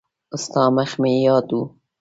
ستا مخ مې یاد و.